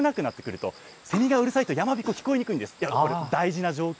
セミが夏が過ぎてちょっと少なくなってくると、セミがうるさいと、やまびこ聞こえにくいんです。